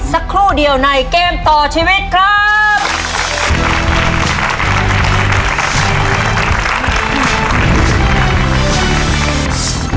สักครู่เดียวในเกมต่อชีวิตครับ